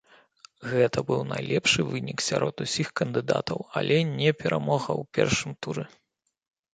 Гэта быў найлепшы вынік сярод усіх кандыдатаў, але не перамога ў першым туры.